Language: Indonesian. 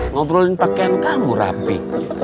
ngobrolin pakaian kamu rapi